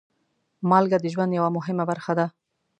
مالګه د ژوند یوه مهمه برخه ده.